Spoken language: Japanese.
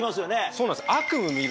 そうなんです。